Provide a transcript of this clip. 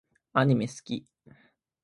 アニメ好き